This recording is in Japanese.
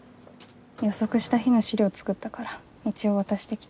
予測した日の資料作ったから一応渡してきた。